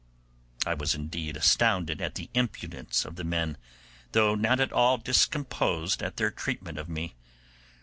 I was indeed astonished at the impudence of the men, though not at all discomposed at their treatment of me.